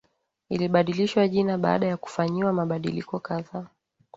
ilibadilishwa jina baada ya kufanyiwa mabadiliko kadhaa